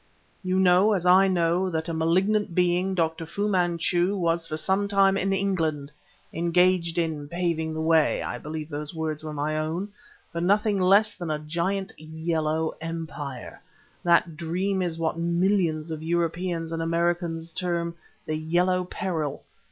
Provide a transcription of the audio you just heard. You know, as I know, that a malignant being, Dr. Fu Manchu, was for some time in England, engaged in 'paving the way' (I believe those words were my own) for nothing less than a giant Yellow Empire. That dream is what millions of Europeans and Americans term 'the Yellow Peril!